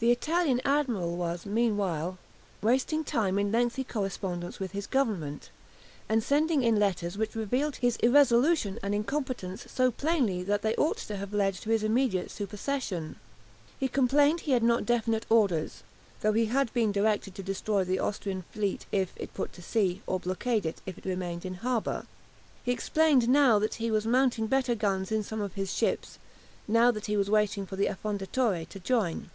The Italian admiral was meanwhile wasting time in lengthy correspondence with his Government, and sending it letters which revealed his irresolution and incompetence so plainly that they ought to have led to his immediate supersession. He complained he had not definite orders, though he had been directed to destroy the Austrian fleet, if it put to sea, or blockade it, if it remained in harbour. He explained now that he was mounting better guns in some of his ships, now that he was waiting for the "Affondatore" to join.